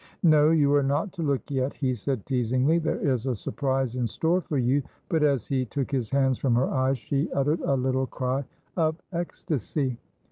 "No, you are not to look yet!" he said, teasingly. "There is a surprise in store for you." But as he took his hands from her eyes, she uttered a little cry of ecstasy.